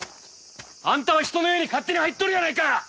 あんたは人の家に勝手に入っとるやないか！